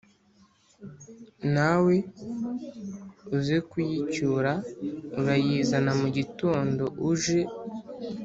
nawe uze kuyicyura urayizana mugitondo uje